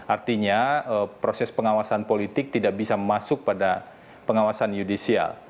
artinya proses pengawasan politik tidak bisa masuk pada pengawasan yudisial